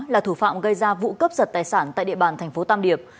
là thủ phạm gây ra vụ cấp giật tài sản tại địa bàn tp tam điệp